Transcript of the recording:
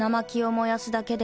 燃やすだけで？